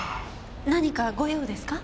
何かご用ですか？